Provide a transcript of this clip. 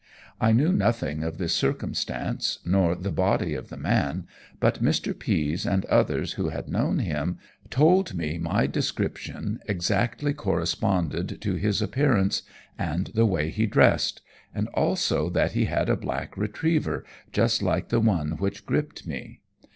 I knew nothing of this circumstance, nor of the body of the man, but Mr. Pease and others who had known him, told me my description exactly corresponded to his appearance and the way he dressed, and also that he had a black retriever just like the one which gripped me.